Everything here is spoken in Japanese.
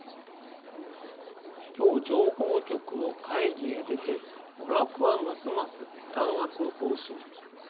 「今日情報局の会議へ出て娯楽はますます弾圧の方針。